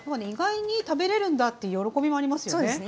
意外に食べれるんだっていう喜びもありますよね。